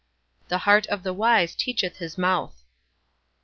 The heart of the wise teacheth his month."